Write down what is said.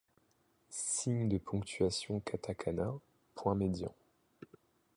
Signe de ponctuation katakana point médian.